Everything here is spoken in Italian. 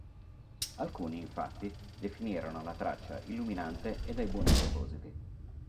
Alcuni, infatti, definirono la traccia illuminante e dai buoni propositi.